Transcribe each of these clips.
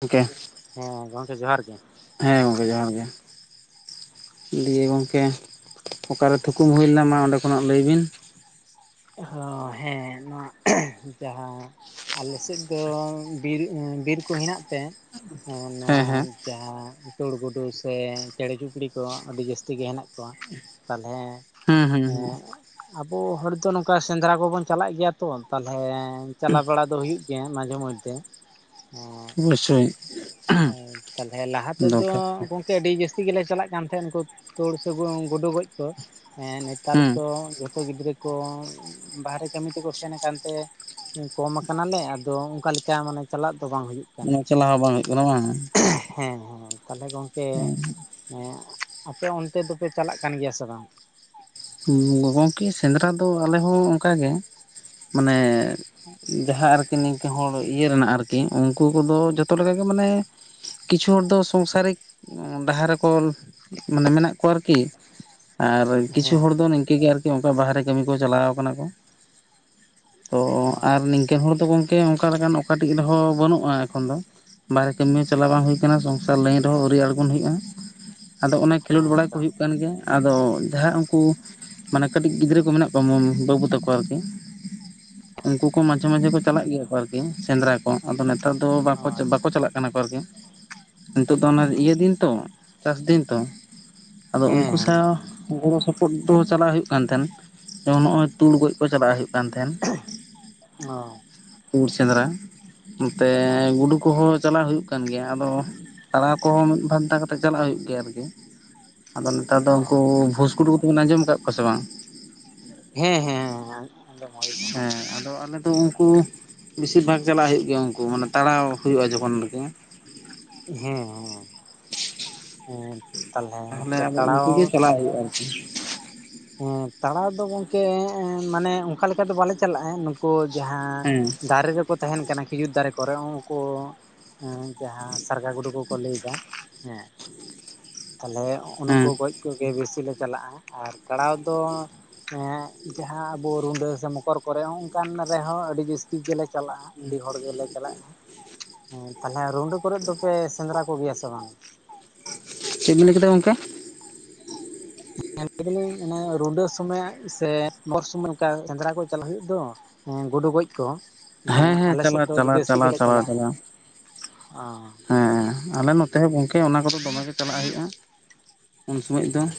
ᱜᱚᱝᱠᱮ ᱦᱮᱸ ᱜᱚᱢᱠᱮ ᱡᱚᱦᱟᱨ ᱜᱮ ᱾ ᱦᱮᱸ ᱜᱚᱝᱠᱮ ᱡᱚᱦᱟᱨ ᱜᱮ ᱾ ᱫᱤᱭᱮ ᱜᱚᱢᱠᱮ ᱚᱠᱟᱨᱮ ᱛᱷᱩᱠᱩᱢ ᱦᱩᱭ ᱞᱮᱱᱟ ᱢᱟ ᱚᱸᱰᱮ ᱠᱷᱚᱱᱟᱜ ᱞᱟᱹᱭ ᱵᱤᱱ ᱾ ᱦᱚ ᱦᱮᱸ ᱱᱚᱣᱟ [unintelligible] ᱡᱟᱦᱟᱸ ᱟᱞᱮ ᱥᱮᱫ ᱫᱚ ᱵᱤᱨ ᱵᱤᱨᱠᱩ ᱦᱮᱱᱟᱜ ᱛᱮ ᱱᱚᱣᱟ ᱦᱮᱸ ᱦᱮᱸ ᱾ ᱡᱟᱦᱟᱸ ᱛᱳᱲ ᱜᱩᱰᱩ ᱥᱮ ᱪᱮᱬᱮ ᱪᱩᱯᱲᱤ ᱠᱚ ᱟᱹᱰᱤ ᱡᱟᱹᱥᱛᱤ ᱜᱮ ᱦᱮᱱᱟᱜ ᱠᱚᱣᱟ ᱾ ᱛᱟᱦᱞᱮ ᱦᱩᱸ ᱦᱩᱸ ᱮᱸ ᱟᱵᱚ ᱦᱚᱲ ᱫᱚ ᱱᱚᱝᱠᱟ ᱠᱟ ᱥᱮᱸᱫᱽᱨᱟ ᱠᱚᱵᱚᱱ ᱪᱟᱞᱟᱜ ᱜᱮᱭᱟ ᱛᱚ ᱛᱟᱦᱞᱮ ᱪᱟᱞᱟᱣ ᱵᱟᱲᱟ ᱫᱚ ᱦᱩᱭᱩᱜ ᱜᱮᱭᱟ ᱢᱟᱡᱷᱮ ᱢᱚᱫᱽᱫᱷᱮ ᱾ ᱚᱵᱚᱥᱥᱳᱭ ᱦᱮ ᱛᱟᱦᱞᱮ ᱞᱟᱦᱟ ᱛᱮᱫᱚ ᱫᱚᱨᱠᱟᱨ ᱜᱚᱝ ᱟᱹᱰᱤ ᱡᱟᱹᱥᱛᱤ ᱜᱮᱞᱮ ᱪᱟᱞᱟᱜ ᱠᱟᱱ ᱛᱟᱦᱮᱸ, ᱩᱱᱠᱩ ᱛᱳᱲ ᱥᱮ ᱜᱳᱰᱳ ᱜᱚᱡ ᱠᱚ ᱾ ᱦᱮᱸ ᱱᱮᱛᱟᱨ ᱦᱩᱸ ᱫᱚ ᱡᱷᱚᱛᱚ ᱜᱤᱫᱽᱨᱟᱹ ᱠᱚ ᱵᱟᱦᱨᱮ ᱠᱟᱹᱢᱤ ᱠᱚ ᱠᱚ ᱥᱮᱱ ᱟᱠᱟᱱ ᱛᱮ ᱠᱚᱢ ᱠᱟᱱᱟᱞᱮ ᱟᱫᱚ ᱚᱝᱠᱟᱞᱮᱠᱟ ᱢᱟᱱᱮ ᱪᱟᱞᱟᱜ ᱫᱚ ᱵᱟᱝ ᱦᱩᱭᱩᱜ ᱾ ᱢᱟᱱᱮ ᱪᱟᱞᱟᱣ ᱦᱚᱸ ᱵᱟᱝ ᱦᱩᱭᱩᱜ ᱠᱟᱱᱟ ᱵᱟᱝ ᱾ ᱦᱮᱸ ᱦᱮᱸ ᱛᱟᱦᱚᱞᱮ ᱜᱚᱢᱠᱮ ᱟᱯᱮ ᱚᱱᱛᱮ ᱫᱚᱯᱮ ᱪᱟᱞᱟᱜ ᱠᱟᱱ, ᱜᱮᱭᱟ ᱥᱮ ᱵᱟᱝ? ᱜᱚᱢᱠᱮ ᱥᱮᱸᱫᱽᱨᱟ ᱫᱚ ᱟᱞᱮ ᱦᱚᱸ ᱚᱝᱠᱟᱜᱮ ᱢᱟᱱᱮ ᱡᱟᱦᱟᱸ ᱟᱨᱠᱤ ᱱᱤᱝᱠᱟᱹ ᱦᱚᱲ ᱤᱭᱟᱹ ᱨᱮᱱᱟᱜ ᱟᱨᱠᱤ, ᱩᱱᱠᱩ ᱠᱚᱫᱚ ᱡᱚᱛᱚ ᱞᱮᱠᱟᱜᱮ ᱢᱟᱱᱮ ᱠᱤᱪᱷᱩ ᱦᱚᱲ ᱫᱚ ᱥᱚᱝᱥᱟᱨᱤᱠ ᱰᱟᱦᱟᱨ ᱨᱮᱠᱚ ᱢᱟᱱᱮ ᱢᱮᱱᱟᱜ ᱠᱚᱣᱟ ᱟᱨᱠᱤ᱾ ᱟᱨ ᱠᱤᱪᱷᱩ ᱦᱮᱸ ᱦᱚᱲ ᱫᱚ ᱱᱤᱝᱠᱟᱹ ᱜᱮ ᱟᱨᱠᱤ ᱚᱱᱠᱟ ᱵᱟᱦᱨᱮ ᱠᱟᱹᱢᱤ ᱠᱚ ᱪᱟᱞᱟᱣ ᱠᱟᱱᱟ ᱠᱚ ᱾ ᱛᱚ ᱦᱮᱸ ᱚ ᱟᱨ ᱱᱤᱝᱠᱟᱹᱱ ᱦᱚᱲ ᱫᱚ ᱜᱚᱢᱠᱮ ᱚᱱᱠᱟ ᱞᱮᱠᱟᱱ ᱚᱠᱟᱴᱷᱤᱡ ᱨᱮᱦᱚᱸ ᱵᱟᱹᱱᱩᱜᱼᱟ ᱮᱠᱷᱚᱱ ᱫᱚ ᱾ ᱵᱟᱨᱦᱮ ᱠᱟᱹᱢᱤ ᱦᱚᱸ ᱪᱟᱞᱟ ᱵᱟᱝ ᱦᱩᱭ ᱟᱠᱟᱱᱟ᱾ ᱥᱚᱝᱥᱟᱨ ᱞᱟᱹᱭᱤᱱ ᱨᱮᱦᱚᱸ ᱟᱹᱣᱨᱤ ᱟᱲ ᱦᱩᱭᱩᱜᱼᱟ᱾ ᱟᱫᱚ ᱚᱱᱟ ᱠᱷᱮᱞᱳᱰ ᱦᱮᱸ ᱵᱟᱲᱟ ᱠᱚ ᱛᱚ ᱦᱩᱭᱩᱜ ᱠᱟᱱ, ᱜᱮᱭᱟ ᱟᱫᱚ ᱡᱟᱦᱟᱸ ᱩᱱᱠᱩ ᱠᱩ ᱢᱟᱱᱮ ᱠᱟᱹᱴᱤᱡ ᱜᱤᱫᱽᱨᱟᱹ ᱠᱚ ᱢᱮᱱᱟᱜ ᱠᱚᱣᱟ [unintelligible] ᱵᱟᱹᱵᱩ ᱛᱟᱠᱚ ᱟᱨᱠᱤ ᱾ ᱩᱱᱠᱩ ᱠᱚ ᱢᱟᱡᱷᱮ ᱢᱟᱡᱷᱮ ᱠᱚ ᱪᱟᱞᱟᱜ ᱜᱮᱭᱟ ᱠᱚ, ᱟᱨᱠᱤ ᱥᱮᱸᱫᱽᱨᱟ ᱠᱚ ᱟᱫᱚ ᱱᱮᱛᱟᱨ ᱫᱚ ᱚ ᱟᱪᱪᱷᱟ ᱵᱟᱠᱚ ᱪᱟᱞᱟᱜ ᱠᱟᱱᱟ ᱠᱚ ᱟᱨᱠᱤ ᱾ ᱱᱤᱛᱚᱜ ᱫᱚ ᱚᱱᱟ ᱚ ᱤᱭᱟᱹ ᱫᱤᱱ ᱛᱚ ᱪᱟᱥ ᱫᱤᱱ ᱛᱚ ᱟᱫᱚ ᱦᱮᱸ ᱩᱝᱠᱩ ᱦᱮᱸ ᱦᱮᱸ ᱥᱟᱶ ᱜᱚᱲᱚ ᱥᱚᱯᱚᱦᱚᱫ ᱫᱚ ᱪᱟᱞᱟᱜ ᱦᱩᱭᱩᱜ ᱠᱟᱱ ᱛᱟᱦᱮᱸᱱ᱾ ᱡᱮᱢᱚᱱ ᱱᱚᱜ-ᱚᱭ ᱛᱩᱲ ᱜᱚᱡ ᱠᱚ ᱪᱟᱞᱟᱜ ᱦᱩᱭᱩᱜ ᱠᱟᱱ ᱛᱟᱦᱮᱸᱱ ᱚ ᱛᱩᱲ ᱥᱮᱸᱫᱽᱨᱟ ᱱᱚᱛᱮ ᱦᱮᱸ ᱜᱩᱰᱩ ᱠᱚᱦᱚᱸ ᱪᱟᱞᱟᱜ ᱦᱩᱭᱩᱜ ᱠᱟᱱ ᱜᱮᱭᱟ, ᱟᱫᱚ ᱛᱟᱲᱟᱣ ᱠᱚᱦᱚᱸ ᱢᱤᱫ, ᱵᱟᱨ ᱫᱷᱟᱣ ᱠᱟᱛᱮᱜ ᱪᱟᱞᱟᱜ ᱦᱩᱭᱩᱜ, ᱜᱮᱭᱟ ᱟᱨᱠᱤ ᱾ ᱟᱫᱚ ᱱᱮᱛᱟᱨ ᱫᱚ ᱚ ᱩᱝᱠᱩ ᱵᱷᱩᱥ ᱜᱩᱰᱩ ᱠᱚ ᱵᱤᱱ ᱟᱸᱡᱚᱢ ᱟᱠᱟᱫ ᱠᱚᱣᱟ ᱥᱮ ᱵᱟᱝ? ᱦᱮᱸ ᱦᱮᱸ᱾ ᱟᱸᱡᱚᱢ ᱦᱩᱭ ᱠᱟᱱᱟ ᱦᱮᱸ ᱟᱫᱚ ᱟᱞᱮᱫ ᱫᱚ ᱩᱝᱠᱩ ᱵᱮᱥᱤᱨ ᱵᱷᱟᱜ ᱪᱟᱞᱟᱜ ᱦᱩᱭᱩᱜ ᱜᱮᱭᱟ, ᱩᱱᱠᱩ ᱢᱟᱱᱮ ᱛᱟᱲᱟᱣ ᱦᱩᱭᱩᱜᱼᱟ᱾ ᱡᱚᱠᱷᱚᱱ ᱨᱮᱠᱤ ᱾ ᱦᱮᱸ ᱦᱮᱸ ᱮᱸ ᱛᱟᱦᱚᱞᱮ ᱟᱫᱚ ᱩᱱᱠᱩ ᱜᱮ ᱪᱟᱞᱟᱜ ᱦᱩᱭᱩᱜᱼᱟ ᱟᱨᱠᱤ ᱾ ᱦᱮᱸ ᱛᱟᱲᱟᱣ ᱫᱚ ᱜᱚᱢᱠᱮ ᱢᱟᱱᱮ ᱚᱱᱠᱟ ᱞᱮᱠᱟ ᱫᱚ ᱵᱟᱞᱮ ᱪᱟᱞᱟᱜᱼᱟ ᱾ ᱠᱚ ᱡᱟᱦᱟᱸ ᱦᱮᱸ ᱫᱟᱨᱮ ᱨᱮᱠᱚ ᱛᱟᱦᱮᱱ ᱠᱟᱱᱟ᱾ ᱠᱷᱤᱡᱩᱨ ᱫᱟᱨᱮ ᱠᱚᱨᱮ ᱩᱱᱠᱩ ᱦᱮᱸ ᱡᱟᱦᱟᱸ ᱥᱟᱨᱜᱟ ᱜᱩᱰᱩ ᱠᱚᱠᱚ ᱞᱟᱹᱭ ᱮᱫᱟ ᱦᱮᱸ ᱛᱟᱦᱞᱮ ᱦᱮᱸ ᱩᱱᱩᱱᱠᱩ ᱜᱚᱡ ᱠᱚ ᱜᱮ ᱵᱮᱥᱤ ᱞᱮ ᱪᱟᱞᱟᱜᱼᱟ᱾ ᱟᱨ ᱛᱟᱲᱟᱣ ᱫᱚ ᱡᱟᱦᱟᱸ ᱟᱵᱚ ᱨᱩᱰᱟᱹ ᱥᱮ ᱢᱚᱠᱚᱨ ᱠᱚᱨᱮ ᱦᱚᱸᱜᱝᱠᱟᱱ ᱨᱮᱦᱚᱸ ᱟᱹᱰᱤ ᱡᱟᱹᱥᱛᱤ ᱜᱮᱞᱮ ᱪᱟᱞᱟᱜᱼᱟ ᱾ ᱟᱹᱰᱤ ᱦᱚᱲ ᱜᱮᱞᱮ ᱪᱟᱞᱟᱜᱼᱟ᱾ ᱦᱮᱸ ᱛᱟᱦᱚᱞᱮ ᱨᱩᱰᱟᱹ ᱠᱚᱨᱮ ᱫᱚᱯᱮ ᱥᱮᱸᱫᱽᱨᱟ ᱠᱚᱜᱮᱭᱟ ᱥᱮ ᱵᱟᱝ? ᱪᱤᱜ ᱵᱤᱱ ᱞᱟᱹᱭ ᱠᱮᱫᱟ ᱜᱚᱢᱠᱮ? [unintelligible] [unintelligible] ᱥᱮᱸᱫᱽᱨᱟ ᱠᱚ ᱪᱟᱞᱟᱜ ᱦᱩᱭᱩᱜ ᱫᱚ ᱦᱮᱸ ᱜᱳᱰᱩ ᱜᱚᱡ ᱠᱚ ᱾ ᱦᱮᱸ ᱟᱞᱮ ᱥᱮᱫ ᱪᱟᱞᱟᱣ ᱫᱚ ᱟᱹᱰᱤ ᱪᱟᱞᱟᱣ ᱡᱟᱹᱥᱛᱤ ᱪᱟᱞᱟᱣ ᱜᱮᱞᱮ ᱪᱟᱞᱟᱣ ᱪᱟᱞᱟᱜᱼᱟ᱾ ᱪᱟᱞᱟᱣ ᱚ ᱦᱮᱸ ᱟᱞᱮ ᱱᱚᱛᱮ ᱦᱚᱸ ᱜᱚᱢᱠᱮ ᱚᱱᱟ ᱠᱚᱫᱚ ᱫᱚᱢᱮ ᱜᱮ ᱪᱟᱞᱟᱜ ᱦᱩᱭᱩᱜᱼᱟ᱾ ᱩᱱ ᱥᱩᱢᱩᱡ ᱫᱚ ᱾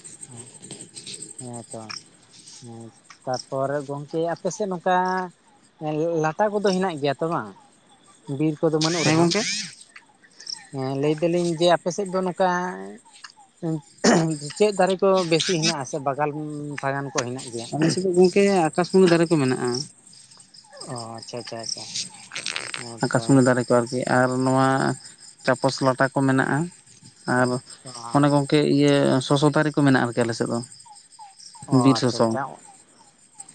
ᱦᱮᱸ ᱛᱚ ᱾ ᱦᱮᱸ ᱛᱟᱯᱚᱨ ᱜᱚᱢᱠᱮ ᱟᱯᱮ ᱥᱮᱫ ᱱᱚᱝᱠᱟ ᱞᱟᱴᱟ ᱠᱚᱫᱚ ᱦᱮᱱᱟᱜ ᱜᱮᱭᱟ ᱛᱚ ᱵᱟᱝ, ᱵᱤᱨ ᱠᱚᱫᱚ ᱵᱟᱹᱱᱩᱜ ᱦᱮᱸ ᱨᱮᱦᱚᱸ? ᱜᱚᱝᱠᱮ ᱦᱮᱸ ᱞᱟᱹᱭ ᱫᱟᱞᱤᱧ ᱡᱮ ᱟᱯᱮ ᱥᱮᱫ ᱫᱚ ᱱᱚᱝᱠᱟ ᱪᱮᱫ ᱫᱟᱨᱮ ᱠᱚ ᱵᱮᱥᱤ ᱦᱮᱱᱟᱜᱼᱟ ᱥᱮ ᱵᱟᱜᱞ ᱵᱟᱜᱟᱱ ᱾ ᱟᱞᱮ ᱥᱮᱫ ᱜᱚᱝᱠᱮ ᱟᱠᱟᱥᱢᱩᱱᱤ ᱫᱟᱨᱮ ᱠᱚ ᱢᱮᱱᱟᱜᱼᱟ᱾ ᱚ ᱟᱪᱷᱟ ᱟᱪᱷᱟ ᱟᱪᱷᱟ᱾ ᱟᱠᱟᱥᱢᱩᱱᱤ ᱫᱟᱨᱮ ᱠᱚ ᱟᱨᱠᱤ ᱟᱨ ᱱᱚᱣᱟ ᱪᱟᱯᱚᱥ ᱞᱟᱴᱟ ᱠᱚ ᱢᱮᱱᱟᱜᱼᱟ ᱟᱨ ᱚᱱᱮ ᱜᱚᱝᱠᱮ ᱤᱭᱟᱹ ᱥᱚᱥᱚ ᱫᱟᱨᱤ ᱠᱚ ᱢᱮᱱᱟᱜᱼᱟ ᱟᱨᱠᱤ ᱟᱞᱮ ᱥᱮᱫ ᱫᱚ ᱚᱻ ᱵᱤᱨ ᱟᱪᱷᱟ ᱥᱚᱥᱚ ᱟᱪᱷᱟ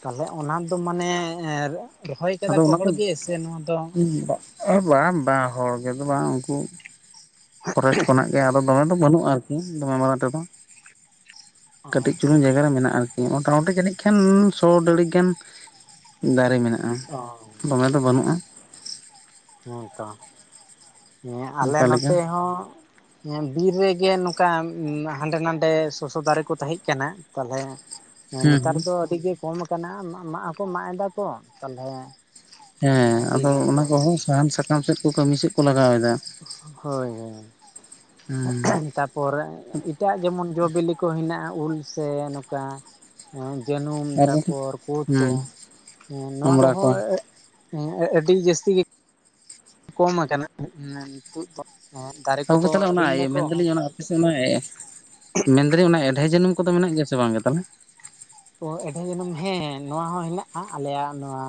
ᱛᱟᱦᱚᱞᱮ ᱚᱱᱟᱫᱚ ᱢᱟᱱᱮ ᱨᱚᱦᱚᱭ ᱠᱟᱫᱟ ᱟᱫᱚ ᱠᱚ ᱚᱱᱟ ᱦᱚᱲ ᱫᱚ ᱜᱮ ᱥᱮ ᱱᱚᱣᱟ ᱫᱚ [unintelligible] ᱵᱟᱝ ᱵᱟᱝ ᱦᱚᱲ ᱜᱮ ᱫᱚ ᱵᱟᱝ ᱩᱱᱠᱩ ᱯᱷᱚᱨᱮᱥᱴ ᱠᱷᱚᱱᱟᱜ ᱜᱮ ᱟᱫᱚ ᱫᱚᱢᱮ ᱫᱚ ᱵᱟᱹᱱᱩᱜᱼᱟ ᱟᱨᱠᱤ ᱫᱚᱢᱮ ᱢᱟᱨᱟᱝ ᱛᱟᱠᱚ ᱠᱟᱹᱴᱤᱡ ᱟᱪᱪᱷᱟ ᱪᱩᱞᱩᱝ ᱡᱟᱭ ᱡᱟᱭᱜᱟ ᱨᱮ ᱢᱮᱱᱟᱜᱼᱟ ᱟᱨᱠᱤ ᱢᱚᱴᱟᱢᱩᱴᱤ ᱡᱟᱹᱱᱤᱡ ᱠᱷᱟᱱ ᱥᱚ ᱰᱮᱲᱮᱠ ᱜᱟᱱ ᱫᱟᱨᱮ ᱢᱮᱱᱟᱜᱼᱟ ᱚ ᱫᱚᱢᱮ ᱫᱚ ᱵᱟᱹᱱᱩᱜᱼᱟ ᱦᱮᱸ ᱛᱚ ᱦᱮᱸ ᱟᱞᱮ ᱚᱱᱠᱟ ᱞᱮᱠᱟ ᱱᱚᱛᱮ ᱦᱚᱸ ᱦᱮᱸ ᱵᱤᱨ ᱨᱮ ᱜᱮ ᱱᱚᱝᱠᱟ ᱦᱟᱸᱰᱮ ᱱᱟᱰᱮ ᱥᱚᱥᱚ ᱫᱟᱨᱮ ᱠᱚ ᱛᱟᱦᱮᱸᱡ ᱠᱟᱱᱟ ᱛᱟᱞᱦᱮ ᱦᱮᱸ ᱦᱩᱸ ᱱᱮᱛᱟᱨ ᱦᱩᱸ ᱫᱚ ᱟᱹᱰᱤ ᱜᱮ ᱠᱚᱢ ᱠᱟᱱᱟ ᱢᱟᱜ ᱦᱚᱸᱠᱚ ᱢᱟᱜ ᱮᱫᱟ ᱛᱚ ᱛᱟᱞᱦᱮ ᱦᱮᱸ ᱟᱫᱚ ᱚᱱᱟ ᱠᱚᱦᱚᱸ ᱥᱟᱦᱟᱱ ᱥᱟᱠᱟᱢ ᱥᱮᱫ ᱠᱚ ᱠᱟᱹᱢᱤ ᱥᱮᱫᱠᱩ ᱞᱟᱜᱟᱣᱫᱟ ᱦᱳᱭ ᱦᱳᱭ ᱦᱩᱸ ᱛᱟᱯᱚᱨ ᱮᱴᱟᱜ ᱡᱮᱢᱚᱱ ᱡᱚᱼᱵᱤᱞᱤ ᱠᱚ ᱦᱮᱱᱟᱜᱼᱟ ᱩᱞ ᱥᱮ ᱱᱚᱝᱠᱟ ᱡᱟᱹᱱᱩᱢ ᱟᱨ ᱵᱟᱝᱠᱷᱟᱱ ᱛᱟᱨᱯᱚᱨ ᱠᱩᱫᱠᱚ ᱦᱩᱸ ᱱᱚᱣᱟ ᱠᱚ ᱦᱚᱸ ᱦᱮᱸ ᱟᱹᱰᱤ ᱡᱟᱹᱥᱛᱤ ᱜᱮ ᱠᱚᱢ ᱠᱟᱱᱟ ᱱᱤᱛᱚᱜ ᱫᱚ ᱫᱟᱨᱮ ᱠᱚ ᱟᱹᱠᱷᱤᱨᱤᱧ ᱫᱟᱠᱚ ᱦᱮᱸ ᱟᱪᱷᱟ ᱢᱟ ᱢᱮᱱᱫᱟᱞᱤᱧ ᱚᱱᱟ ᱮᱰᱷᱮ ᱡᱟᱹᱱᱩᱢ ᱠᱚᱫᱚ ᱢᱮᱱᱟᱜ ᱜᱮᱭᱟ ᱥᱮ ᱵᱟᱝ ᱜᱮ ᱛᱟᱦᱚᱞᱮ ᱛᱚ ᱮᱰᱷᱮᱨ ᱡᱟ. ᱱᱩᱢ ᱦᱮᱸ ᱱᱚᱣᱟ ᱦᱚᱸ ᱦᱮᱱᱟᱜᱼᱟ ᱟᱞᱮᱭᱟᱜ ᱱᱚᱣᱟ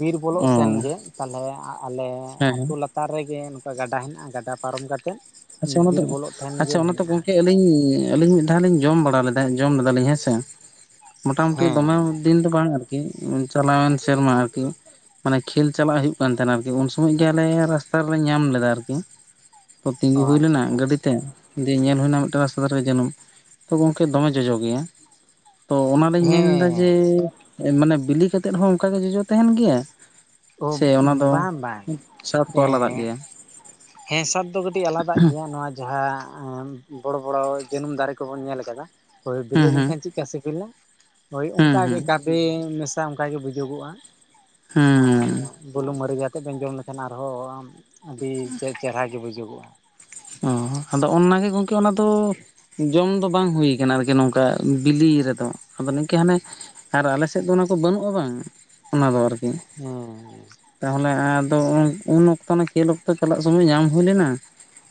ᱵᱤᱨ ᱵᱚᱞᱚᱜ ᱥᱮᱱ ᱚ ᱜᱮ ᱛᱟᱞᱦᱮ ᱟᱞᱮ ᱦᱮᱸ ᱟᱹᱛᱩ ᱦᱮᱸ ᱞᱟ ᱛᱟᱨ ᱨᱮᱜᱮ ᱱᱚᱝᱠᱟ ᱜᱟᱰᱟ ᱦᱮᱱᱟᱜᱼᱟ ᱜᱟᱰᱟ ᱯᱟᱨᱚᱢ ᱠᱟᱛᱮᱫ ᱟᱪᱷᱟ ᱚᱱᱟ ᱫᱚ ᱵᱤᱨ ᱵᱚᱞᱚᱜ ᱴᱷᱮᱱ ᱜᱮ ᱟᱪᱷᱟ ᱚᱱᱟ ᱫᱚ ᱦᱮᱱᱟᱜᱼᱟ ᱜᱚᱝᱠᱮ ᱟᱹᱞᱤᱧ ᱟᱹᱞᱤᱧ ᱢᱤᱫ ᱫᱷᱟᱣ ᱞᱤᱧ ᱡᱚᱢ ᱵᱟᱲᱟ ᱞᱮᱫᱟ ᱡᱚᱢ ᱞᱮᱫᱟᱞᱤᱧ ᱦᱮᱸᱥᱮ ᱢᱚᱴᱟ ᱢᱩᱴᱤ ᱦᱮᱸ ᱫᱚᱢᱮ ᱫᱤᱱ ᱫᱚ ᱵᱟᱝ ᱟᱨᱠᱤ ᱪᱟᱞᱟᱣᱮᱱ ᱥᱮᱨᱢᱟ ᱟᱨᱠᱤ ᱢᱟᱱᱮ ᱠᱷᱮᱞ ᱪᱟᱞᱟᱜ ᱦᱩᱭᱩᱜ ᱠᱟᱱ ᱛᱟᱦᱮᱱᱟ ᱟᱨᱠᱤ ᱩᱱ ᱥᱚᱢᱚᱭ ᱜᱮ ᱟᱞᱮ ᱨᱟᱥᱛᱟ ᱨᱮᱞᱮ ᱧᱟᱢ ᱞᱮᱫᱟ ᱟᱨᱠᱤ ᱛᱚ ᱚ ᱛᱤᱸᱜᱩ ᱦᱩᱭ ᱟᱪᱪᱷᱟ ᱞᱮᱱᱟ ᱟᱪᱪᱷᱟ ᱜᱟᱹᱰᱤ ᱛᱮ ᱫᱤᱭᱮ ᱧᱮᱞ ᱦᱩᱭᱱᱟ ᱢᱤᱫ ᱴᱮᱱ ᱨᱟᱥᱛᱟᱫᱷᱟᱨᱮ ᱨᱮ ᱡᱟᱹᱱᱩᱢ ᱛᱚ ᱜᱚᱝᱠᱮ ᱫᱚᱢᱮ ᱡᱚᱡᱚ ᱜᱮᱭᱟ ᱛᱚ ᱚᱱᱟᱞᱤᱧ ᱢᱮᱱᱫᱟ ᱡᱮ ᱦᱮᱸ ᱢᱟᱱᱮ ᱵᱤᱞᱤ ᱠᱟᱛᱮᱜ ᱦᱚᱸ ᱚᱱᱠᱟᱜᱮ ᱡᱚᱡᱚ ᱛᱟᱦᱮᱱ ᱜᱮᱭᱟ ᱚ ᱥᱮ ᱚᱱᱟ ᱫᱚ ᱵᱟᱝ ᱵᱟᱝ ᱥᱟᱨ ᱠᱚ ᱟᱞᱟᱫᱟᱜ ᱜᱮᱭᱟ ᱦᱮᱸ ᱥᱟᱫ ᱫᱚ ᱠᱟᱹᱴᱤᱡ ᱟᱞᱟᱫᱟᱜ ᱜᱮᱭᱟ ᱱᱚᱣᱟ ᱡᱟᱦᱟᱸ ᱵᱚᱲᱚ ᱵᱚᱲᱚ ᱡᱟᱹᱱᱩᱢ ᱫᱟᱨᱮ ᱠᱚᱵᱚᱱ ᱧᱮᱞ ᱠᱟᱫᱟ ᱵᱤᱞᱤ ᱦᱩᱸ ᱞᱮᱱᱠᱷᱟᱱ ᱪᱮᱫ ᱠᱟ ᱥᱤᱵᱤᱞᱟ ᱦᱳᱭ ᱦᱩᱸ ᱚᱱᱠᱟᱜ ᱜᱮ ᱦᱩᱸ ᱜᱟᱵᱮ ᱢᱮᱥᱟ ᱚᱱᱠᱟᱜᱴ ᱜᱮ ᱵᱩᱡᱩᱜᱚᱜᱼᱟ ᱦᱮᱸ ᱟᱨ ᱵᱩᱞᱩᱝ ᱢᱟᱹᱨᱤ ᱟᱛᱮᱫ ᱵᱮᱱ ᱡᱚᱢ ᱞᱮᱠᱷᱟᱱ ᱟᱨᱦᱚᱸ ᱟᱹᱰᱤ ᱪᱮᱨᱦᱟ ᱜᱮ ᱵᱩᱡᱩᱜᱚᱜᱼᱟ ᱚ ᱟᱫᱚ ᱚᱱᱟᱜᱮ ᱜᱚᱝᱠᱮ ᱚᱱᱟ ᱫᱚ ᱡᱚᱢ ᱫᱚ ᱵᱟᱝ ᱦᱩᱭ ᱠᱟᱱᱟ ᱟᱨᱠᱤ ᱱᱚᱝᱠᱟ ᱚᱱᱠᱟ ᱵᱤᱞᱤ ᱨᱮᱫᱚ ᱟᱫᱚ ᱱᱤᱝᱠᱟᱹ ᱦᱟᱱᱮ ᱟᱨ ᱟᱞᱮᱥᱮᱫ ᱫᱚ ᱚᱱᱟ ᱠᱚ ᱵᱟᱹᱱᱩᱜᱼᱟ ᱵᱟᱝ ᱚᱱᱟ ᱫᱚ ᱟᱨᱠᱤ ᱦᱮᱸ ᱛᱟᱦᱚᱞᱮ ᱟᱫᱚ ᱩᱱ ᱚᱠᱛᱚ ᱚᱱᱟ ᱠᱷᱮᱞ ᱚᱠᱛᱚ ᱪᱟᱞᱟᱜ ᱥᱚᱢᱚᱭ ᱧᱟᱢ ᱦᱩᱭ ᱞᱮᱱᱟ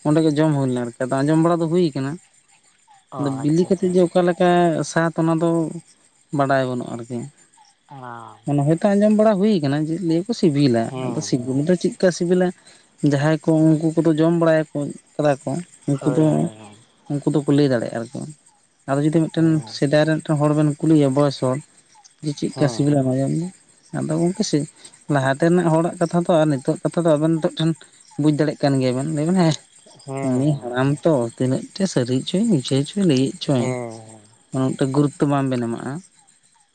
ᱚᱸᱰᱮ ᱜᱮ ᱡᱚᱢ ᱦᱩᱭ ᱞᱮᱱᱟ ᱟᱨᱠᱤ ᱟᱸᱡᱚᱢ ᱵᱟᱲᱟ ᱫᱚ ᱦᱩᱭ ᱟᱠᱟᱱᱟ ᱚ ᱵᱤᱞᱤ ᱟᱪᱪᱷᱟ ᱟᱪᱪᱷᱟ ᱠᱟᱛᱮᱜ ᱡᱮ ᱚᱠᱟ ᱞᱮᱠᱟ ᱥᱟᱫ ᱚᱱᱟ ᱫᱚ ᱵᱟᱰᱟᱭ ᱵᱟᱹᱱᱩᱜᱼᱟ ᱟᱨᱠᱤ ᱚ ᱦᱚᱭᱛᱚ ᱟᱸᱡᱚᱢ ᱵᱟᱲᱟ ᱦᱩᱭ ᱠᱟᱱᱟ ᱞᱤᱭᱟᱹᱠᱚ ᱥᱤᱵᱤᱞᱟ ᱟᱫᱚ ᱦᱮᱸ ᱥᱤᱵᱤᱞ ᱫᱚ ᱪᱮᱫ ᱪᱤᱠᱟᱹ ᱥᱤᱵᱤᱞᱟ ᱡᱟᱦᱟᱸᱭ ᱠᱚ ᱩᱱᱠᱩ ᱠᱚ ᱫᱚ ᱡᱚᱢ ᱵᱟᱲᱟᱭ ᱠᱚ ᱠᱟᱫᱟ ᱠᱚ ᱩᱱᱠᱩ ᱦᱳᱭ ᱫᱚ ᱦᱳᱭ ᱩᱱᱠᱩ ᱫᱚᱠᱚ ᱞᱟᱹᱭ ᱫᱟᱲᱮᱭᱟᱜᱼᱟ ᱟᱨᱠᱤ ᱟᱫᱚ ᱡᱩᱫᱤ ᱢᱤᱫ ᱴᱮᱱ ᱦᱳᱭ ᱥᱮᱫᱟᱭ ᱨᱮᱱ ᱢᱤᱫᱮᱱ ᱦᱚᱲ ᱵᱮᱱ ᱠᱩᱞᱤᱭ ᱵᱚᱭᱮᱥ ᱦᱚᱲᱮ ᱪᱮᱫᱠᱟ ᱦᱮᱸ ᱥᱤᱵᱤᱞ ᱦᱮᱸ [inaudible] ᱟᱫᱚ ᱜᱚᱢᱠᱮ ᱥᱮ ᱞᱟᱦᱟ ᱛᱮᱱᱟᱜ ᱦᱚᱲᱟᱜ ᱠᱟᱛᱷᱟ ᱫᱚ ᱟᱨ ᱱᱤᱛᱳᱜ ᱠᱟᱛᱷᱟ ᱫᱚ ᱟᱵᱮᱱ ᱱᱤᱛᱳᱜ ᱴᱷᱮᱱ ᱵᱩᱡᱽ ᱫᱟᱲᱮᱜ ᱠᱟᱱ ᱜᱮᱭᱟ ᱵᱮᱱ ᱞᱟᱹᱭ ᱵᱮᱱ ᱦᱮᱸ ᱦᱮᱸ ᱩᱱᱤ ᱦᱮᱸ ᱦᱟᱲᱟᱢ ᱛᱚ ᱛᱤᱱᱟᱹᱜ ᱴᱮ ᱥᱟᱹᱨᱤᱪᱚᱭ ᱢᱤᱪᱷᱟᱹᱪᱚᱭ ᱞᱟᱹᱭ ᱦᱮᱸ ᱦᱮᱸ, ᱩᱱᱟᱹᱴᱟ ᱜᱩᱨᱩᱛᱛᱚ ᱵᱟᱢ ᱵᱮᱱ ᱮᱢᱟᱜᱼᱟ,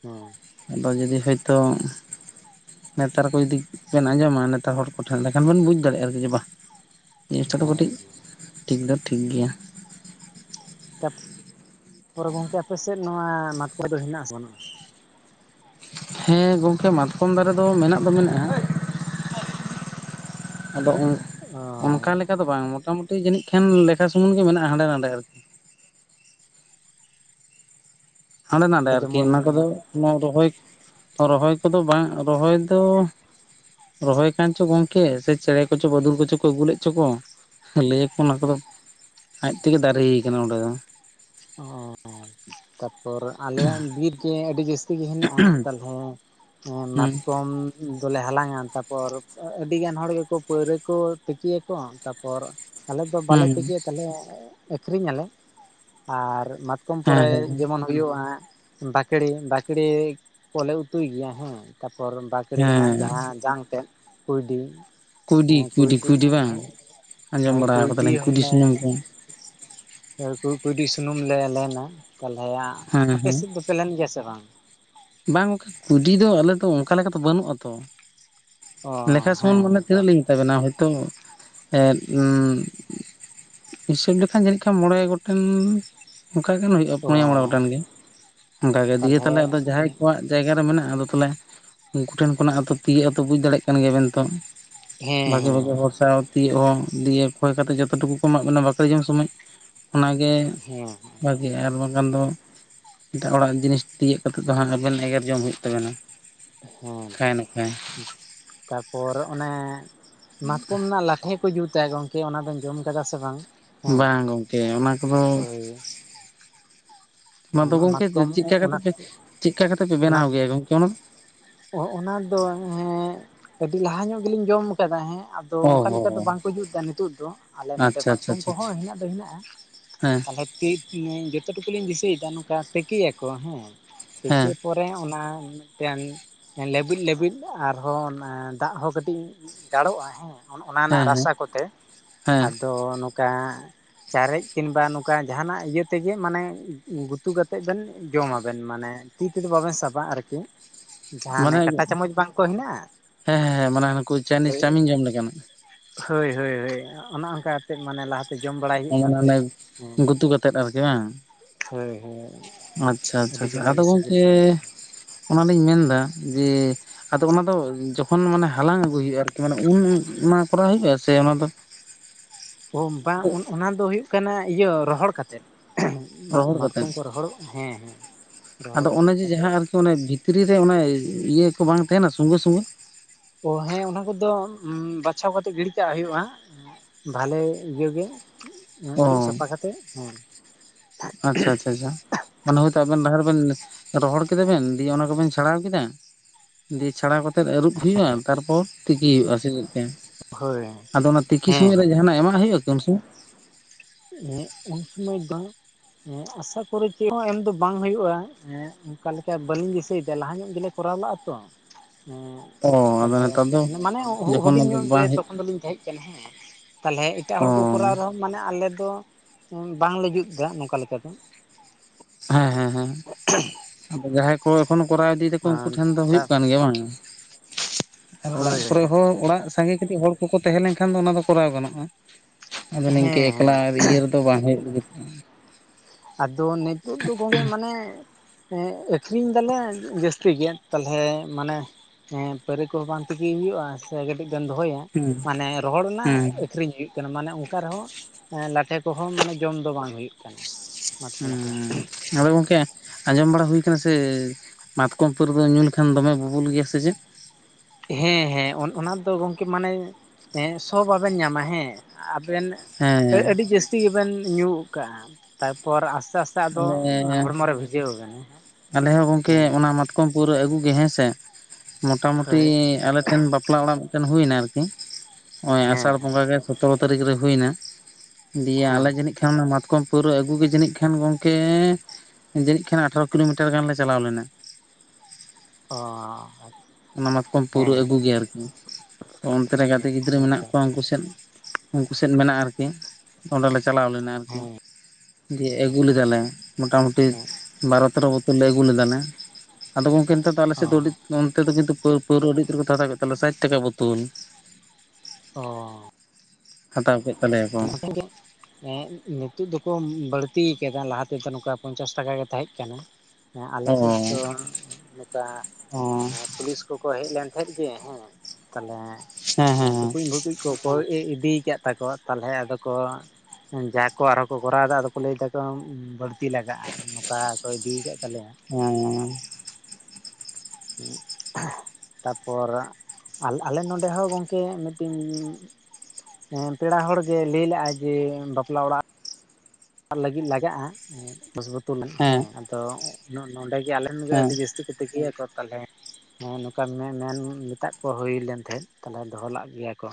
ᱦᱮᱸ, ᱵᱷᱟᱜᱮ ᱜᱮ ᱠᱷᱟᱡ ᱛᱚ, ᱱᱮᱛᱟᱨ ᱠᱚ ᱡᱩᱫᱤ ᱵᱮᱱ ᱟᱸᱡᱚᱢᱟ ᱱᱮᱛᱟᱨ ᱦᱚᱲ ᱠᱚᱴᱷᱮᱱ ᱮᱸᱰᱮ ᱠᱷᱟᱱ ᱵᱤᱱ ᱵᱩᱡᱽ ᱫᱟᱲᱮᱭᱟᱜᱼᱟ ᱟᱨᱠᱤ ᱡᱮ ᱵᱟ ᱡᱤᱱᱤᱥᱴᱟᱜ ᱫᱚ ᱦᱮᱸ ᱠᱟᱹᱴᱤᱡ ᱦᱮᱸ ᱴᱷᱤᱠ ᱫᱚ ᱴᱷᱤᱠ ᱜᱮᱭᱟ ᱾ ᱛᱟᱯᱚᱨᱮ ᱜᱚᱢᱠᱮ ᱟᱯᱮ ᱥᱮᱫ ᱱᱚᱣᱟ ᱢᱟᱛᱠᱚᱭ ᱫᱚ ᱦᱮᱱᱟᱜᱼᱟ ᱥᱮ ᱵᱟᱹᱱᱩᱜᱼᱟ? ᱦᱮᱸ ᱜᱚᱢᱠᱮ ᱢᱟᱛᱠᱚᱢ ᱫᱟᱨᱮ ᱫᱚ ᱢᱮᱱᱟᱜ ᱫᱚ ᱢᱮᱱᱟᱜᱼᱟ ᱾ ᱟᱫᱚ ᱩᱱ, ᱚᱱᱠᱟ ᱞᱮᱠᱟ ᱫᱚ ᱵᱟᱝ ᱢᱚᱴᱟᱢᱩᱴᱤ ᱡᱟᱹᱱᱤᱡ ᱠᱷᱟᱱ ᱮᱠᱷᱟ ᱥᱩᱢᱩᱝ ᱜᱮ ᱢᱮᱱᱟᱜᱼᱟ ᱦᱟᱸᱰᱮ ᱱᱟᱰᱮ ᱟᱨᱠᱤ ᱦᱟᱸᱰᱮ ᱱᱟᱰᱮ ᱚ ᱟᱨᱠᱤ, ᱡᱮᱢᱚᱱ ᱚᱱᱟ ᱠᱚ ᱫᱚ ᱚᱱᱟ ᱨᱚᱦᱚᱭ ᱨᱚᱦᱚᱭ ᱠᱚ ᱫᱚ ᱵᱟᱝ ᱨᱚᱦᱚᱭ ᱫᱚ, ᱨᱚᱦᱚᱭ ᱠᱟᱱ ᱪᱚ ᱜᱚᱢᱠᱮ ᱥᱮ ᱪᱮᱬᱮ ᱠᱚᱪᱚ ᱵᱟᱫᱩᱲ ᱠᱚᱪᱚ ᱠᱚ ᱟᱹᱜᱩ ᱞᱮᱫ ᱪᱚ ᱠᱚ ᱞᱟᱹᱭᱟ ᱠᱚ ᱚᱱᱟ ᱠᱚ ᱫᱚ ᱟᱡ ᱛᱮᱜᱮ ᱫᱟᱨᱮ ᱠᱟᱱᱟ ᱚᱸᱰᱮ ᱫᱚ, ᱚᱻ ᱛᱟᱯᱚᱨ ᱟᱞᱮᱭᱟᱜ ᱵᱤᱨ ᱜᱮ ᱟᱹᱰᱤ ᱡᱟᱹᱥᱛᱤ, ᱛᱤᱜᱮ ᱦᱮᱱᱟᱜᱼᱟ ᱛᱟᱦᱚᱞᱮ ᱦᱩᱸ ᱢᱟᱛᱠᱚᱢ, ᱫᱚᱞᱮ ᱦᱟᱞᱟᱝᱟ ᱛᱟᱨᱯᱚᱨ ᱟᱹᱰᱤ ᱜᱟᱱ ᱦᱚᱲ ᱜᱮᱠᱚ ᱯᱟᱹᱣᱨᱟᱹ ᱠᱚ ᱛᱤᱠᱤᱭᱟ ᱠᱚ ᱛᱟᱯᱚᱨ ᱟᱞᱮ ᱫᱚ ᱵᱟᱞᱮ ᱦᱩᱸ ᱛᱮᱜᱮ ᱛᱟᱞᱮ ᱟᱠᱷᱨᱤᱧᱟ ᱟᱞᱮ, ᱟᱨ, ᱢᱟᱛᱠᱚᱢ ᱯᱚᱨᱮ ᱦᱮᱸ ᱦᱮᱸ ᱡᱮᱢᱚᱱ ᱦᱳᱭᱳᱜᱼᱟ ᱵᱟᱠᱲᱮ ᱵᱟᱠᱲᱮ ᱠᱚᱞᱮ ᱩᱛᱩᱭ ᱜᱮᱭᱟ ᱦᱮᱸ ᱛᱟᱯᱚᱨ ᱥᱟᱠᱲᱮ ᱨᱮᱱᱟᱜ ᱦᱮᱸ ᱡᱟᱦᱟᱸ ᱡᱟᱝ ᱛᱮᱫ ᱠᱩᱭᱰᱤ, ᱠᱩᱭᱰᱤ ᱠᱩᱭᱰᱤ ᱠᱩᱭᱰᱤ ᱵᱟᱝ, ᱟᱸᱡᱚᱢ ᱵᱟᱲᱟ ᱠᱩᱭᱰᱤ ᱠᱟᱫᱟᱞᱤᱧ ᱠᱩᱰᱤ ᱦᱚᱸᱞᱮ ᱥᱩᱱᱩᱢ ᱠᱚ ᱠᱩ ᱠᱩᱭᱰᱤ ᱥᱩᱱᱩᱢ ᱞᱮ ᱞᱮᱱᱟ ᱛᱟᱞᱦᱮ ᱦᱮᱸ ᱟᱯᱮ ᱦᱮᱸ ᱥᱮᱫ ᱫᱚ ᱯᱮ ᱞᱮᱱ ᱜᱮᱭᱟ ᱥᱮ ᱵᱟᱝ? ᱵᱟᱝ ᱜᱚᱝᱠᱮ ᱠᱩᱭᱰᱤ ᱫᱚ ᱟᱞᱮᱫ ᱫᱚ ᱚᱝᱠᱟ ᱞᱮᱠᱟ ᱫᱚ ᱵᱟᱹᱱᱩᱜ ᱟᱛᱚ, ᱞᱮᱠᱷᱟ ᱚ ᱥᱩᱢᱩᱱ ᱢᱟᱱᱮ ᱦᱮᱸ ᱛᱚ ᱛᱤᱱᱟᱹᱜ ᱞᱤᱧ ᱢᱮᱛᱟ ᱵᱮᱱᱟ ᱦᱚᱭᱛᱚ ᱮᱫ ᱦᱤᱥᱟᱹᱵ ᱞᱮᱠᱷᱟᱱ ᱡᱟᱱᱤᱡ ᱠᱷᱟᱱ ᱢᱚᱬᱮ ᱜᱚᱴᱮᱱ ᱚᱱᱠᱟᱜᱟᱱ ᱦᱩᱭᱩᱜᱭ, ᱯᱩᱱᱭᱟ ᱢᱚᱬᱮ ᱚ ᱜᱚᱴᱮᱱ ᱜᱮ ᱚᱝᱠᱟᱜᱮ ᱫᱤᱭᱮ ᱛᱟᱦᱚᱞᱮ ᱟᱫᱚ ᱡᱟᱦᱟᱸᱭ, ᱩᱝᱠᱩ-ᱟᱜ ᱡᱟᱭᱜᱟ ᱨᱮ ᱢᱮᱱᱟᱜᱼᱟ ᱟᱫᱚ ᱛᱟᱞᱦᱮ ᱩᱱᱠᱩ ᱴᱷᱮᱱ ᱠᱷᱚᱱᱟᱜ ᱛᱤᱭᱟᱹᱜ ᱟᱛᱚ ᱵᱩᱡᱽ ᱫᱟᱲᱮᱭᱟᱜ ᱠᱟᱱ ᱜᱮᱭᱟ ᱵᱮᱱ ᱛᱚ ᱦᱮᱸ ᱵᱷᱟᱜᱮ ᱵᱷᱟᱜᱮ ᱦᱮᱸ ᱦᱚᱲ ᱥᱟᱶ ᱛᱤᱭᱳᱜ ᱦᱚᱸ ᱫᱤᱭᱮ ᱠᱷᱚᱭ ᱠᱟᱛᱮᱫ ᱡᱚᱛᱚ ᱴᱩᱠᱩ ᱠᱚ ᱮᱢᱟᱜ ᱵᱤᱱᱟ ᱵᱟᱠᱲᱮ ᱡᱚᱢ ᱥᱩᱢᱟᱹᱡ ᱚᱱᱟᱜᱮ ᱦᱮᱸ ᱵᱷᱟᱜᱮ ᱟᱨ ᱵᱟᱝᱠᱷᱟᱱ ᱫᱚ ᱮᱴᱟᱜ ᱚᱲᱟᱜ ᱡᱤᱱᱤᱥ ᱛᱤᱭᱟᱹᱜ ᱠᱟᱛᱮᱫ ᱫᱚ ᱦᱟᱸᱜ ᱟᱵᱮᱱ ᱮᱜᱮᱨ ᱡᱚᱢ ᱦᱩᱭᱩᱜ ᱛᱟᱵᱮᱱᱟ, ᱦᱩᱸ ᱱᱟᱠᱷᱟᱭ ᱱᱟᱠᱷᱟᱭ ᱛᱟᱯᱚᱨ ᱚᱱᱮ ᱢᱟᱛᱠᱚᱢ ᱨᱮᱱᱟᱜ ᱞᱟᱴᱷᱮ, ᱠᱚ ᱡᱩᱛᱟ ᱜᱚᱢᱠᱮ ᱚᱱᱟ ᱫᱚᱢ ᱡᱚᱢ ᱠᱟᱫᱟ ᱥᱮ ᱵᱟᱝ? ᱦᱮᱸ ᱵᱟᱝ ᱜᱚᱢᱠᱮ ᱚᱱᱟ ᱠᱚ ᱫᱚ, ᱦᱳᱭ ᱚᱱᱟ ᱫᱚ ᱜᱚᱢᱠᱮ ᱢᱟᱛᱠᱚᱢ ᱪᱮᱫ ᱞᱮᱠᱟ ᱠᱟᱛᱮ ᱚᱱᱟ ᱯᱮ ᱪᱮᱫ ᱞᱮᱠᱟ ᱠᱟᱛᱮ ᱯᱮ ᱵᱮᱱᱟᱣ ᱜᱮᱭᱟ ᱜᱚᱢᱠᱮ ᱚᱱᱟ ᱫᱚ ᱚ ᱚᱱᱟ ᱫᱚ ᱦᱮᱸ ᱟᱹᱰᱤ ᱞᱟᱦᱟ ᱧᱚᱜ ᱜᱤᱞᱤᱧ ᱡᱚᱢ ᱟᱠᱟᱫᱟ ᱦᱮᱸ, ᱛᱚ ᱚ ᱚᱱᱠᱟ ᱦᱚ ᱞᱮᱠᱟ ᱫᱚ ᱦᱚ ᱵᱟᱝᱠᱚ ᱡᱩᱛᱫᱟ ᱱᱤᱛᱳᱜ ᱫᱚ ᱟᱞᱮ ᱱᱚᱰᱮ ᱟᱪᱪᱷᱟ ᱟᱪᱪᱷᱟ ᱢᱟᱛᱠᱚᱢ ᱟᱪᱪᱷᱟ ᱠᱚᱦᱚᱸ ᱦᱮᱱᱟᱜ ᱫᱚ ᱦᱮᱱᱟᱜᱼᱟ, ᱦᱮᱸ, ᱡᱚᱛ ᱴᱩᱠᱩ ᱞᱤᱧ ᱫᱤᱥᱟᱹᱭᱮᱫᱟ ᱱᱚᱝᱠᱟ ᱛᱮᱠᱮᱭᱟ ᱠᱚ ᱦᱮᱸ ᱛᱮᱠᱮ ᱦᱮᱸ ᱯᱚᱨᱮ ᱚᱱᱟ ᱢᱤᱫᱴᱟᱝ ᱞᱟᱵᱤᱫ ᱞᱟᱹᱵᱤᱫ ᱟᱨᱦᱚᱸ ᱚᱱᱟ ᱫᱟᱜ ᱦᱚᱸ ᱠᱟᱹᱴᱤᱡ ᱜᱟᱲᱚᱜᱼᱟ ᱦᱮᱸ, ᱚᱱᱟ ᱨᱮᱱᱟᱜ ᱦᱮᱸ ᱦᱮᱸ ᱨᱟᱥᱟ ᱠᱚᱛᱮ ᱦᱮᱸ ᱟᱫᱚ ᱱᱚᱠᱟ ᱪᱟᱨᱮᱡ ᱠᱤᱝᱵᱟ ᱱᱚᱝᱠᱟ ᱡᱟᱦᱟᱸᱱᱟᱜ ᱤᱭᱟᱹ ᱛᱮᱜᱮ ᱢᱟᱱᱮ ᱜᱩᱛᱩ ᱠᱟ ᱠᱟᱛᱮᱫ ᱵᱮᱱ ᱡᱚᱢᱟᱵᱮᱱ ᱢᱟᱱᱮ ᱛᱤ ᱛᱮᱫᱚ ᱵᱟᱵᱮᱱ ᱥᱟᱵᱟ ᱟᱨᱠᱤ᱾ ᱡᱟᱦᱟᱸ ᱢᱟᱱᱮ ᱟᱱᱮ ᱠᱟᱴᱟ ᱦᱮᱸ ᱪᱟᱢᱚᱪ ᱵᱟᱝ ᱠᱚ ᱦᱮᱱᱟᱜᱼᱟ ᱦᱮᱸ ᱢᱟᱱᱮ ᱦᱟᱱᱠᱩ ᱪᱟᱭᱱᱤᱡᱽ ᱦᱳᱭ ᱪᱟᱣᱢᱤᱱ ᱚᱱᱟ ᱡᱚᱢ ᱜᱮ᱾ ᱞᱮᱠᱟᱱᱟᱜ ᱦᱳᱭ ᱦᱳᱭ ᱦᱳᱭ ᱚᱱᱮ ᱚᱱᱠᱟᱛᱮᱫ ᱢᱟᱱᱮ ᱞᱟᱦᱟ [unintelligible] ᱚᱱᱮ ᱜᱩᱛᱩ ᱠᱟᱛᱮᱫ ᱟᱨᱠᱤ ᱵᱟᱝ? ᱦᱳᱭ ᱦᱳᱭ᱾ ᱟᱪᱪᱷᱟ ᱟᱹᱰᱤ ᱟᱪᱪᱷᱟ ᱪᱮᱦᱨᱟ ᱟᱫᱚ ᱜᱮ ᱥᱤᱵᱤᱞ ᱜᱚᱝᱠᱮ ᱠᱟᱱ ᱛᱟᱦᱮᱸᱫ ᱚᱱᱟᱞᱤᱧ ᱢᱮᱱᱫᱟ ᱡᱮ ᱟᱫᱚ ᱚᱱᱟ ᱫᱚ ᱡᱚᱠᱷᱚᱱ ᱢᱟᱱᱮ ᱦᱟᱞᱟᱝ ᱟᱹᱜᱩᱭᱳᱜ ᱟᱨᱠᱤ ᱢᱟᱱᱮ ᱩᱱ ᱚᱱᱟ ᱠᱚᱨᱟᱣᱳᱼᱟ ᱥᱮ ᱚᱱᱟ ᱫᱚ ᱚ ᱵᱟᱝ ᱚᱱᱟ ᱫᱚ ᱦᱩᱭᱩᱜ ᱠᱟᱱᱟ ᱤᱭᱟᱹ ᱨᱚᱦᱚᱲ ᱠᱟᱛᱮᱫ᱾ ᱢᱟᱜ ᱨᱚᱦᱚᱲ ᱠᱟᱛᱮᱫ ᱢᱟᱛᱠᱚᱢ ᱠᱚ ᱨᱚᱦᱚᱲᱚᱜ ᱦᱮᱸ ᱦᱮᱸ ᱨᱚᱦᱚᱲ ᱟᱫᱚ ᱚᱱᱮ ᱡᱮ ᱠᱟᱛᱮᱜ ᱡᱟᱦᱟᱸ ᱟᱨᱠᱤ ᱚᱱᱮ ᱵᱷᱤᱛᱨᱤ ᱨᱮ ᱚᱱᱟ ᱤᱭᱟᱹ ᱠᱚ ᱵᱟᱝ ᱛᱟᱦᱮᱸᱱᱟ ᱥᱩᱜᱟᱹ ᱥᱩᱜᱟᱹ? ᱚ ᱦᱮᱸ ᱚᱱᱟ ᱠᱚᱫᱚ ᱵᱟᱪᱷᱟᱣ ᱠᱟᱛᱮᱜ ᱜᱤᱲᱤ ᱠᱟᱜ ᱦᱩᱭᱩᱜᱼᱟ ᱵᱷᱟᱞᱮ ᱤᱭᱟᱹ ᱜᱮ ᱟᱹᱨᱩᱵ ᱚ ᱥᱟᱯᱷᱟ ᱠᱟᱛᱮᱜ ᱦᱮᱸ᱾ ᱟᱪᱪᱷᱟ ᱟᱪᱪᱷᱟ ᱟᱪᱪᱷᱟ᱾ ᱢᱟᱱᱮ ᱦᱳᱭᱛᱳ ᱟᱵᱮᱱ ᱞᱟᱦᱟ ᱨᱮᱵᱮᱱ ᱨᱚᱦᱚᱲ ᱠᱮᱫᱟ ᱵᱮᱱ ᱫᱤᱭᱮ ᱚᱱᱟ ᱠᱚᱵᱮᱱ ᱪᱷᱟᱲᱟᱣ ᱠᱮᱫᱟ ᱫᱤᱭᱮ ᱪᱷᱟᱲᱟᱣ ᱠᱟᱛᱮᱜ ᱟᱹᱨᱩᱵ ᱦᱩᱭᱩᱜᱼᱟ ᱛᱟᱨᱯᱚᱨ ᱛᱤᱠᱤ ᱦᱩᱭᱩᱜᱼᱟ ᱥᱮ ᱪᱮᱫ ᱠᱟ? ᱦᱳᱭ ᱟᱫᱚ ᱚᱱᱟ ᱛᱤᱠᱤ ᱦᱮᱸ ᱥᱚᱢᱚᱭ ᱨᱮ ᱡᱟᱦᱟᱸᱱᱟᱜ ᱮᱢᱟᱜ ᱦᱩᱭᱩᱜᱼᱟ ᱠᱤ ᱩᱱ ᱥᱚᱢᱚᱭ? ᱮᱸᱜ ᱩᱱ ᱥᱩᱚᱢᱟᱹᱭ ᱫᱚ ᱮᱸᱜ ᱟᱥᱟ ᱠᱚᱨᱤ ᱪᱮᱫ ᱦᱚᱸ ᱮᱢ ᱫᱚ ᱵᱟᱝ ᱦᱩᱭᱩᱜᱼᱟ ᱮᱸᱜ ᱚᱱᱠᱟ ᱞᱮᱠᱟ ᱵᱟᱹᱞᱤᱧ ᱫᱤᱥᱟᱹᱭᱮᱫᱟ ᱞᱟᱦᱟ ᱧᱚᱜ ᱜᱮᱞᱮ ᱠᱚᱨᱟᱣ ᱞᱟᱜᱼᱟ ᱛᱚ, [inaudible] ᱦᱮᱸ ᱚ ᱟᱫᱚ ᱱᱮᱛᱟᱨ ᱫᱚ ᱛᱟᱦᱚᱞᱮ ᱢᱟᱱᱮ ᱦᱩ ᱡᱚᱠᱷᱚᱱ ᱦᱩᱰᱤᱧ ᱧᱚᱜ ᱜᱮ ᱵᱟᱝ ᱦᱩᱭᱩᱜ ᱛᱚᱠᱷᱚᱱ ᱫᱚᱞᱤᱧ ᱛᱟᱦᱮᱸ ᱠᱟᱱᱦᱟ ᱛᱟᱦᱚᱞᱮ ᱮᱴᱟᱜ ᱚ ᱦᱚᱲ ᱠᱚ ᱠᱚᱨᱟᱣ ᱨᱮᱦᱚᱸ ᱢᱟᱱᱮ ᱟᱞᱮ ᱫᱚ ᱵᱟᱝᱞᱮ ᱡᱩᱛ ᱫᱟ ᱱᱚᱝᱠᱟ ᱞᱮᱠᱟ ᱫᱚ᱾ ᱦᱮᱸ ᱦᱮᱸ ᱦᱮᱸ᱾ [inaudible] ᱟᱫᱚ ᱡᱟᱦᱟᱸᱭ ᱠᱚ ᱮᱠᱷᱚ ᱱᱚᱠᱚ ᱠᱚᱨᱟᱣ ᱤᱫᱤᱭ ᱫᱟᱠᱚ ᱩᱱᱠᱩ ᱦᱳᱭ ᱴᱷᱮᱱ ᱫᱚ ᱦᱩᱭᱩᱜᱭ ᱠᱟᱱ ᱜᱮᱭᱟ ᱵᱟᱝᱟ? ᱟᱨ ᱚᱲᱟᱜ ᱦᱳᱭ ᱠᱚᱨᱮ ᱦᱮᱸ ᱦᱚᱸ ᱚᱲᱟᱜ ᱥᱟᱸᱜᱮ ᱠᱟᱴᱤᱡ ᱦᱚᱲ ᱠᱚᱠᱚ ᱛᱟᱦᱮᱸ ᱞᱮᱱᱠᱷᱟᱱ ᱫᱚ ᱚᱱᱟ ᱫᱚ ᱠᱚᱨᱟᱣ ᱜᱟᱱᱚᱜᱼᱟ᱾ ᱟᱫᱚ ᱱᱤᱝᱠᱟᱹ ᱦᱮᱸ ᱮᱠᱞᱟ ᱤᱭᱟᱹ ᱨᱮᱫᱚ ᱵᱟᱝ ᱦᱩᱭᱩᱜ ᱞᱟᱹᱜᱤᱛᱚᱜᱼᱟ᱾ ᱟᱫᱚ ᱱᱤᱛᱳ ᱫᱚ ᱜᱚᱝᱠᱮ ᱢᱟᱱᱮ ᱮᱸᱜ ᱟᱹᱠᱷᱨᱤᱧ ᱫᱟᱞᱮ ᱡᱟᱹᱥᱛᱤ ᱜᱮ ᱛᱟᱞᱦᱮ ᱢᱟᱱᱮ ᱦᱮᱸ ᱯᱟᱹᱣᱨᱟᱹ ᱠᱚᱦᱚᱸ ᱵᱟᱝ ᱛᱤᱠᱤ ᱦᱩᱭᱩᱜᱼᱟ ᱥᱮ ᱠᱟᱹᱴᱤᱡ ᱜᱮᱢ ᱫᱚᱦᱚᱭᱟ ᱦᱮᱸ ᱢᱟᱱᱮ ᱨᱚᱦᱚᱲ ᱱᱟᱜ ᱦᱮᱸ ᱟᱹᱠᱷᱨᱤᱧ ᱦᱩᱭᱩᱜ ᱠᱟᱱᱟ ᱢᱟᱱᱮ ᱚᱱᱠᱟ ᱨᱮᱦᱚᱸ ᱮᱸ ᱞᱟᱴᱷᱮ ᱠᱚᱦᱚᱸ ᱢᱟᱱᱮ ᱡᱚᱢ ᱫᱚ ᱵᱟᱝ ᱦᱩᱭᱩᱜ ᱠᱟᱱᱟ᱾ ᱢᱟᱛᱠᱚᱢ ᱞᱟᱴᱷᱮ ᱦᱚᱸ ᱦᱩᱸ ᱟᱫᱚ ᱜᱚᱝᱠᱮ ᱟᱸᱡᱚᱢ ᱵᱟᱲᱟ ᱦᱩᱭᱩ ᱠᱟᱱᱟ ᱥᱮ ᱢᱟᱛᱠᱚᱢ ᱯᱟᱹᱣᱨᱟᱹ ᱫᱚ ᱧᱩ ᱞᱮᱠᱷᱟᱱ ᱫᱚᱢᱮ ᱵᱩᱵᱩᱞ ᱜᱮᱭᱟ ᱥᱮ ᱪᱮᱫ? ᱦᱮᱸ ᱦᱮᱸ ᱚᱱᱟ ᱫᱚ ᱜᱚᱝᱠᱮ ᱢᱟᱱᱮ ᱥᱚ ᱵᱟᱷᱟᱵᱮᱱ ᱧᱟᱢᱟ ᱦᱮᱸ᱾ ᱟᱵᱮᱱ ᱦᱮᱸ ᱟᱹᱰᱤ ᱡᱟᱹᱥᱛᱤ ᱜᱮᱵᱮᱱ ᱧᱩ ᱠᱟᱜᱼᱟ ᱛᱟᱨᱯᱚᱨ ᱟᱥ ᱛᱮ ᱟᱥᱛᱮ ᱟᱫᱚ ᱟᱞᱮ ᱦᱚᱲᱢᱚᱮ ᱵᱷᱤᱡᱟᱹᱣ ᱟᱵᱮᱱᱟ ᱦᱟᱸᱜ᱾ ᱟᱞᱮ ᱦᱚᱸ ᱜᱚᱝᱠᱮ ᱚᱱᱟ ᱢᱟᱛᱠᱚᱢ ᱯᱟᱹᱣᱨᱟᱹ ᱟᱹᱜᱩᱜᱮ ᱦᱮᱸ ᱥᱮ ᱦᱳᱭ ᱢᱚᱴᱟᱢᱩᱴᱤ ᱟᱞᱮ ᱢᱤᱫᱴᱮᱱ ᱵᱟᱯᱞᱟ ᱚᱲᱟᱜ ᱢᱤᱫᱴᱮᱱ ᱦᱩᱭᱱᱟ ᱟᱨᱠᱤ ᱱᱚᱸᱜᱼᱭ ᱦᱮᱸ ᱟᱥᱟᱲ ᱦᱮᱸ ᱵᱚᱸᱜᱟ ᱜᱮ ᱛᱮᱨᱚ ᱛᱟᱹᱨᱤᱠᱷ ᱨᱮ ᱦᱩᱭᱱᱟ ᱫᱤᱭᱮ ᱦᱮᱸ ᱟᱞᱮ ᱡᱟᱹᱱᱤᱡ ᱠᱷᱟᱱ ᱢᱟᱛᱠᱚᱢ ᱯᱟᱹᱣᱨᱟᱹ ᱟᱹᱜᱩ ᱜᱮ ᱡᱟᱹᱱᱤᱡ ᱠᱷᱟᱱ ᱜᱚᱝᱠᱮ ᱡᱟᱹᱱᱤᱡ ᱠᱷᱟᱱ ᱟᱴᱷᱚᱨᱚ ᱠᱤᱞᱳᱢᱤᱴᱟᱨ ᱜᱟᱱ ᱞᱮ ᱪᱟᱞᱟᱣ ᱞᱮᱱᱟ᱾ ᱚᱼᱼ ᱚᱱᱟ ᱢᱟᱛᱠᱚᱢ ᱯᱟᱹᱣᱨᱟᱹ ᱟᱹᱜᱩ ᱜᱮᱭᱟ ᱟᱨᱠᱤ ᱚᱱᱛᱮᱨᱮ ᱜᱟᱛᱮ ᱜᱤᱫᱽᱨᱟᱹ ᱢᱮᱱᱟᱜ ᱦᱮᱸᱛᱚ ᱠᱚᱣᱟ ᱩᱱᱠᱩ ᱥᱮᱫ? ᱩᱱᱠᱩ ᱥᱮᱫ ᱢᱮᱱᱟᱜᱼᱟ ᱟᱨᱠᱤᱼᱼ ᱚᱸᱰᱮᱞᱮ ᱪᱟᱞᱟᱣ ᱞᱮᱱᱟ ᱟᱨᱠᱤ ᱦᱮᱸ ᱫᱤᱭᱮ ᱟᱹᱜᱩ ᱞᱮᱫᱟᱞᱮ ᱢᱚᱴᱟᱢᱩᱴᱤᱼᱼ ᱦᱮᱸ ᱵᱟᱨᱚ ᱛᱮᱨᱚ ᱵᱳᱚᱛᱚᱞ ᱞᱮ ᱟᱹᱜᱩ ᱞᱮᱫᱟ ᱞᱮ ᱟᱫᱚ ᱜᱚᱢᱠᱮ ᱱᱮᱛᱟᱨ ᱫᱚ ᱚ ᱟᱞᱮᱥᱮᱫ ᱫᱚ ᱟᱹᱰᱤᱼᱼ ᱚᱱᱛᱮ ᱫᱚ ᱠᱤᱱᱛᱩ ᱯᱟᱹᱨᱩᱣᱟᱹ ᱟᱲᱰᱤ ᱨᱮ ᱠᱚ ᱦᱟᱣ ᱠᱮᱫ ᱛᱣᱟ ᱥᱟᱴ ᱴᱟᱠᱟ ᱵᱳᱛᱳᱞ᱾ ᱚᱼᱼ ᱦᱟᱛᱟᱣ ᱠᱮᱫ ᱛᱟᱞᱮᱭᱟ ᱠᱚᱼᱼ [inaudible] ᱱᱤᱛᱳᱜ ᱫᱚᱠᱚ ᱵᱟᱹᱲᱛ ᱠᱟᱫᱟ ᱞᱟᱦᱟ ᱛᱮᱫᱚ ᱱᱚᱝᱠᱟ ᱯᱚᱧᱪᱟᱥ ᱴᱟᱠᱟ ᱜᱮ ᱛᱟᱦᱮᱸ ᱠᱟᱱᱟ᱾ ᱦᱮ ᱟᱞᱮ ᱚ ᱥᱮᱫ ᱫᱚ ᱱᱚᱝᱠᱟ ᱚ ᱯᱩᱞᱤᱥᱼᱼ ᱠᱩ ᱠᱚ ᱦᱮᱡ ᱞᱮᱱ ᱛᱟᱦᱮᱸ ᱜᱮ ᱦᱮᱸ ᱛᱟᱦᱚᱞᱮ ᱦᱮᱸ ᱦᱮᱸ ᱴᱩᱠᱩᱧ ᱵᱷᱩᱜᱩᱡᱼᱼ ᱠᱚ ᱠᱚ ᱤᱫᱤᱭ ᱟᱠᱟᱫ ᱛᱟᱠᱚᱣᱟ ᱛᱟᱦᱚᱞᱮ ᱟᱫᱚ ᱠᱚᱼᱼ ᱡᱟ ᱠᱚ ᱟᱨᱦᱚᱸ ᱠᱚ ᱠᱚᱨᱟᱣ ᱮᱫᱟ ᱟᱫᱚ ᱠᱚ ᱞᱟᱹᱭ ᱫᱟᱠᱚ ᱵᱟᱹᱲᱛᱤ ᱞᱟᱜᱟᱜᱼᱟ᱾ ᱱᱚᱝᱠᱟ ᱠᱚ ᱤᱫᱤ ᱟᱠᱟᱫ ᱛᱟᱞᱮᱭᱟ᱾᱾ ᱦᱚᱸ᱾ ᱛᱟᱨᱯᱚᱨᱼᱼ ᱟᱞᱮ ᱱᱚᱰᱮ ᱦᱚᱸ ᱜᱚᱝᱠᱮ ᱢᱤᱫᱴᱤᱱᱼᱼ ᱯᱮᱲᱟ ᱦᱚᱲ ᱜᱮ ᱞᱟᱹᱭ ᱞᱮ-ᱟᱭ ᱡᱮ, ᱵᱟᱯᱞᱟ ᱚᱲᱟᱜᱼᱼ ᱟᱜ ᱞᱟᱹᱜᱤᱫ ᱞᱟᱜᱟᱜᱼᱟ ᱫᱚᱥ ᱵᱳᱛᱳᱞ ᱦᱮᱸ ᱟᱫᱚᱼᱼ ᱱᱚᱰᱮ ᱜᱮ ᱟᱞᱮ ᱨᱮᱱ ᱜᱮ ᱦᱮᱸ ᱟᱹᱰᱤ ᱡᱟᱹᱥᱛᱤ ᱠᱚ ᱛᱤᱠᱤᱭᱟᱠᱚ ᱛᱟᱦᱚᱞᱮᱼᱼ ᱱᱚᱝᱠᱟ ᱢᱮ ᱢᱮᱱ ᱢᱮᱛᱟᱜ ᱠᱚ ᱦᱩᱭ ᱞᱮᱱ ᱛᱟᱦᱮᱸᱫ ᱛᱟᱞᱦᱮ ᱫᱚᱦᱚ ᱞᱮᱫ ᱜᱮᱭᱟ ᱠᱚ᱾